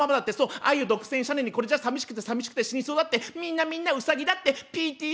愛を独占したのにこれじゃさみしくてさみしくて死にそうだってみんなみんなウサギだってＰＴＡは雑食だって」。